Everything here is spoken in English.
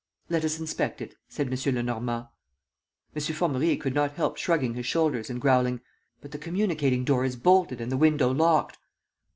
"Let us inspect it," said M. Lenormand. M. Formerie could not help shrugging his shoulders and growling: "But the communicating door is bolted and the window locked."